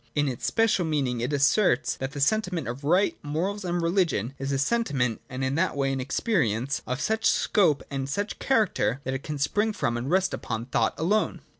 In its special meaning (see § 2) it asserts that the sentiment of right, morals, and religion is a sentiment (and in that way an ex perience) of such scope and such character that it can spring from and rest upon thought alone.